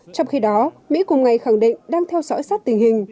trong khi đó mỹ cùng ngày khẳng định đang theo dõi sát tình hình